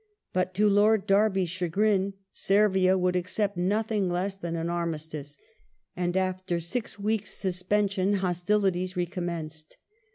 But to Lord Derby's chagrin Servia would accept nothing less than an armistice, and, after six weeks' suspension, hostilities recommenced.